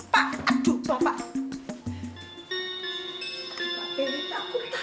pak mau kemana